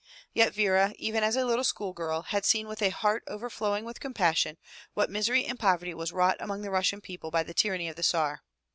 Yet Vera even as a little school girl, had seen with a heart over flowing with compassion, what misery and poverty was wrought among the Russian people by the tyranny of the Tsar.